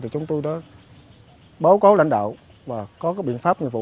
chúng tôi đã báo cáo lãnh đạo và có biện pháp nhiệm vụ